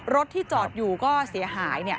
รถที่จอดอยู่สิ้นหาย